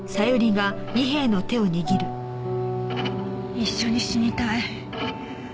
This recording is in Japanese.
一緒に死にたい。